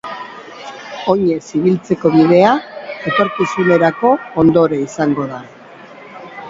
Oinez ibiltzeko bidea etorkizunerako ondore izango da.